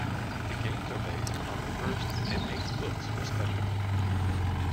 The games are based on the first and eighth books respectively.